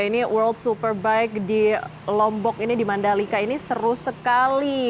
ini world superbike di lombok ini di mandalika ini seru sekali